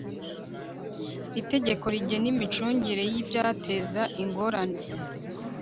itegeko rigena imicungire y'ibyateza ingorane